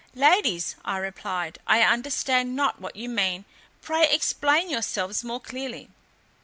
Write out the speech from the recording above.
"Ladies," I replied, "I understand not what you mean; pray explain yourselves more clearly."